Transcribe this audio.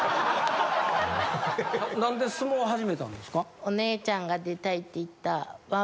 何で相撲を始めたんですか？